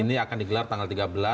ini akan digelar tanggal tiga belas